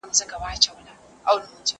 که وخت وي، ونې ته اوبه ورکوم،